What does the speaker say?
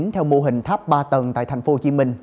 theo mô hình tháp ba tầng tại tp hcm